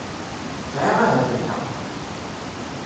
sɛiɣ ahat lḥeqq.